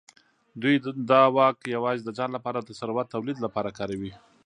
دوی دا واک یوازې د ځان لپاره د ثروت د تولید لپاره کاروي.